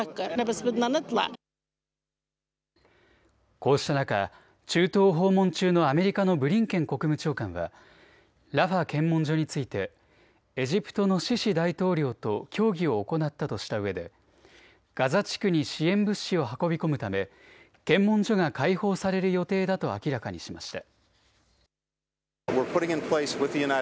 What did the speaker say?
こうした中、中東を訪問中のアメリカのブリンケン国務長官はラファ検問所についてエジプトのシシ大統領と協議を行ったとしたうえでガザ地区に支援物資を運び込むため検問所が開放される予定だと明らかにしました。